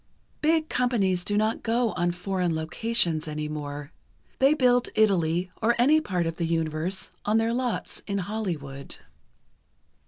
Big companies do not go on foreign locations any more. They build Italy or any part of the universe on their lots in Hollywood.